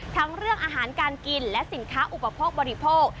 ทั้งเรื่องอาหารการกินและสินค้าอุปโภคบริโภค